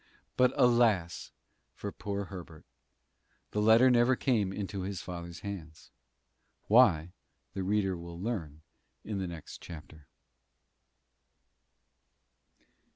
But, alas! for poor Herbert the letter never came into his father's hands. Why, the reader will learn in the next chapter.